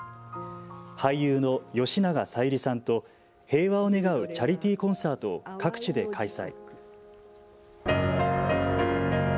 俳優の吉永小百合さんと平和を願うチャリティーコンサートを各地で開催。